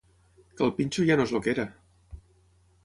Cal Pinxo ja no és el que era!